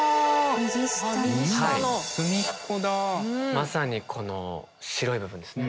まさにこの白い部分ですね。